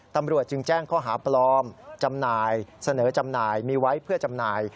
ตำรวจจึงแจ้งข้อหาปลอมจำหน่ายเสนอจำหน่ายมีไว้เพื่อจำหน่าย